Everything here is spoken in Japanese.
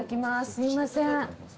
すいません。